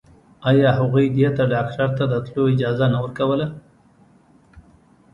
آيا هغوی دې ته ډاکتر ته د تلو اجازه نه ورکوله.